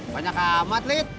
banyak amat lita